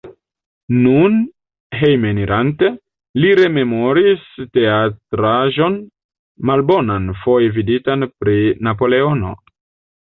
Nun hejmenirante, li rememoris teatraĵon malbonan, foje viditan pri Napoleono.